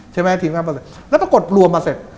ใช่ไหมทีมงานมาเลยแล้วปรากฏรวมมาเสร็จ